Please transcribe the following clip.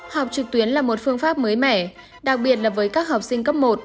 học trực tuyến là một phương pháp mới mẻ đặc biệt là với các học sinh cấp một